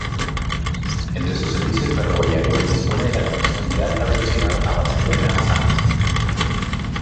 Entre sus servicios ferroviarios, dispone de la conexión de alta velocidad a Barcelona-Sants.